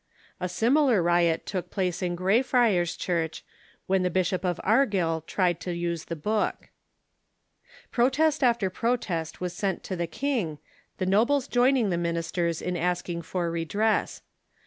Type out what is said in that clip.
A similar riot took jjlaee in (Irc^yfriars ('lunch w lien the JJishop of Argyll attenqjted to use the book. Protest after j»rote8t was sent to tin; king, the nobles join ing the ministers in asking for redress.